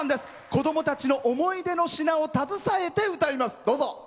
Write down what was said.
子どもたちの思い出の品を携えて歌います。